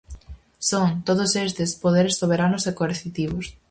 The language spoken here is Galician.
Son, todos estes, poderes soberanos e coercitivos.